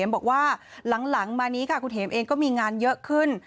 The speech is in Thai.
บอกว่าหลังมานี้ค่ะคุณเห็มเองก็มีงานเยอะขึ้น